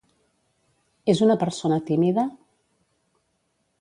És una persona tímida?